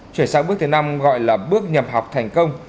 chuyển sang bước thứ năm gọi là bước nhập học thành công